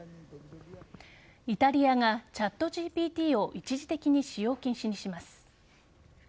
イタリアがＣｈａｔＧＰＴを一時的に使用禁止にします。